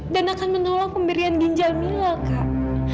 dan akan menolong pemberian ginjal mila kak